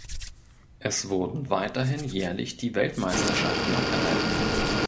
Es wurden weiterhin jährlich die Weltmeisterschaften abgehalten.